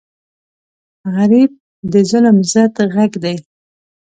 غریب د ظلم ضد غږ دی